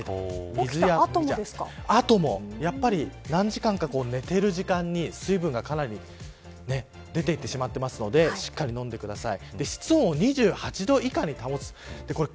やっぱり何時間か寝ている時間に水分がかなり出ていってしまっているのでしっかり飲んでください。